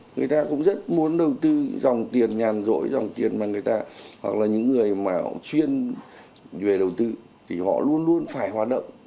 người ta cũng rất muốn đầu tư dòng tiền nhàn rỗi dòng tiền mà người ta hoặc là những người mà chuyên về đầu tư thì họ luôn luôn phải hoạt động